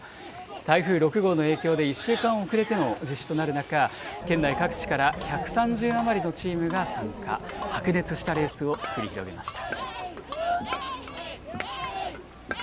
台風６号の影響で１週間遅れての実施となる中、県内各地から１３０余りのチームが参加、白熱したレースを繰り広げました。